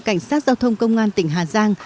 cảnh sát giao thông công an tỉnh hà giang